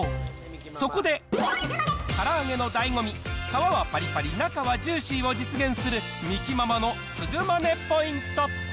そこでから揚げのだいご味、皮はぱりぱり中はジューシーを実現するみきママのすぐマネポイント。